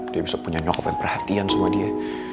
dia bisa punya nyokap yang perhatian sama dia